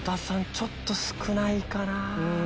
ちょっと少ないかなぁ。